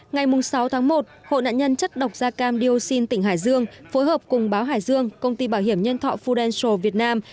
ngày sáu tháng một hội nạn nhân chất độc da cam dioxin tỉnh hải dương phối hợp cùng báo hải dương công ty bảo hiểm nhân thọ fudel việt nam